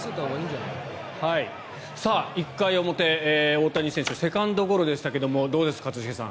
１回表大谷選手はセカンドゴロでしたがどうです、一茂さん。